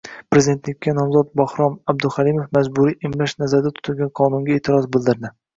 Prezidentlikka nomzod Bahrom Abduhalimov majburiy emlash nazarda tutilgan qonunga e’tiroz bildirdi